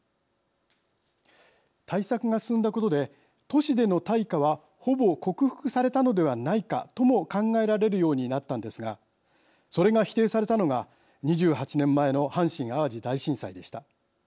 対策が進んだことで都市での大火はほぼ克服されたのではないかとも考えられるようになったんですがそれが否定されたのが２８年前の阪神・淡路大震災でした。